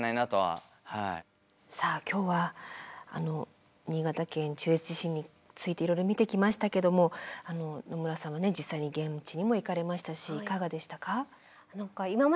さあ今日は新潟県中越地震についていろいろ見てきましたけども野村さんは実際に現地にも行かれましたしいかがでしたか？